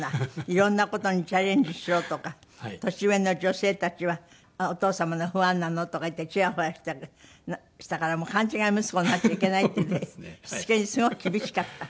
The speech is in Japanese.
「いろんな事にチャレンジしろ」とか年上の女性たちは「お父様のファンなの」とか言ってちやほやしたりしたから勘違い息子になっちゃいけないっていうんでしつけにすごく厳しかった？